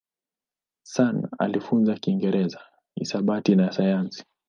Sun alijifunza Kiingereza, hisabati na sayansi.